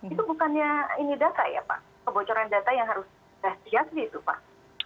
itu bukannya ini data ya pak kebocoran data yang harus jelas gitu pak